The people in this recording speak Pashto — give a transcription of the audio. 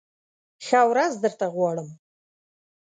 ښه ورځ درته غواړم !